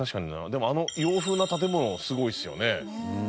でもあの洋風な建物すごいっすよね。